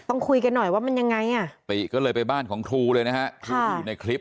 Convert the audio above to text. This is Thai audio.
ต้องคุยกันหน่อยว่ามันยังไงปุ๊ก็เลยไปบ้านของครูเลยนะครับ